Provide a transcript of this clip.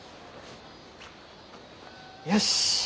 よし。